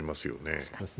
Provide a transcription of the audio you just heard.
そうですね。